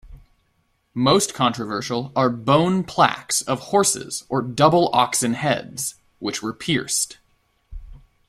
Most controversial are bone plaques of horses or double oxen heads, which were pierced.